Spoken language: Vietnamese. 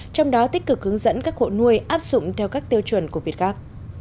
trong đó tích cực ứng dẫn các hộ nuôi áp dụng theo các tiêu chuẩn của việt cáp